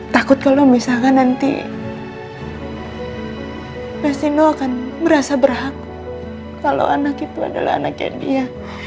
takut kalau misalkan nanti mas nino akan berasa berhak kalau anak itu adalah anaknya dia